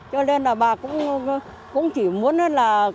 cho nên là bà cũng chỉ muốn là